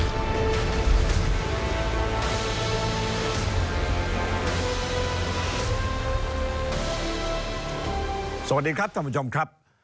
สวัสดีครับท่านผู้ชมครับ